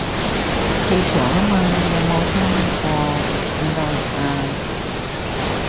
氣場吖嘛，有冇聽過戰鬥力啊